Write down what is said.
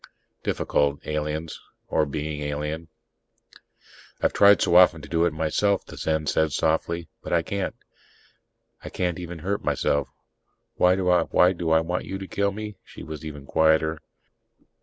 Difficult, aliens or being alien. "I've tried so often to do it myself," the Zen said softly. "But I can't. I can't even hurt myself. Why do I want you to kill me?" She was even quieter.